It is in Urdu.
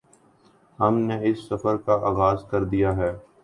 ہم نے اس سفر کا آغاز کردیا ہے